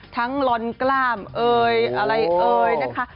ลอนกล้ามเอ่ยอะไรเอ่ยนะคะ